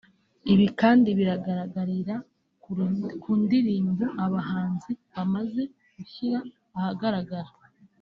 Ibi kandi binagaragarira ku ndirimbo aba bahanzi bamaze gushyira ahagaragara